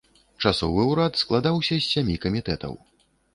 Часовы ўрад складаўся з сямі камітэтаў.